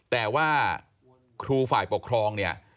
แต่ว่าครูฝ่ายปกครองเนี่ย